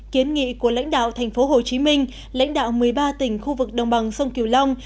kiến nghị của lãnh đạo tp hcm lãnh đạo một mươi ba tỉnh khu vực đồng bằng sông kiều long